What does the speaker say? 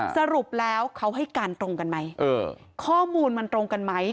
สรุปแล้วเขาให้การตรงกันไหมข้อมูลมันตรงกันไหม